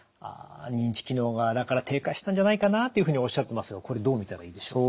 認知機能がだから低下したんじゃないかなっていうふうにおっしゃってますがこれどう見たらいいでしょう？